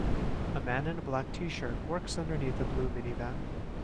A man in a black tshirt works underneath a blue minivan.